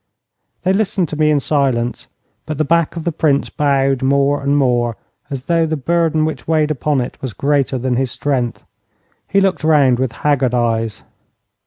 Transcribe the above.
They listened to me in silence, but the back of the Prince bowed more and more as though the burden which weighed upon it was greater than his strength. He looked round with haggard eyes.